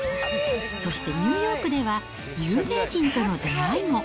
そしてニューヨークでは、有名人との出会いも。